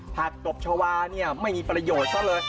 ตบชาวาเนี่ยไม่มีประโยชน์ซะเลย